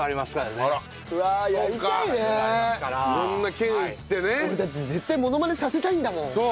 俺だって絶対モノマネさせたいんだもん。